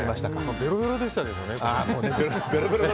ベロベロでしたけどね。